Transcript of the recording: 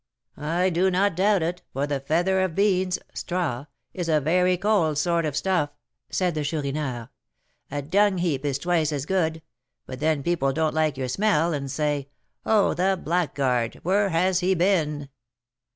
"I do not doubt it, for the feather of beans (straw) is a very cold sort of stuff," said the Chourineur. "A dung heap is twice as good; but then people don't like your smell, and say, 'Oh, the blackguard! where has he been?'"